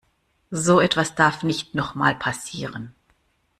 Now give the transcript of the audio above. So etwas darf nicht noch mal passieren.